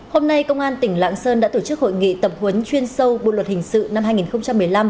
hôm nay công an tỉnh lạng sơn đã tổ chức hội nghị tập huấn chuyên sâu bộ luật hình sự năm hai nghìn một mươi năm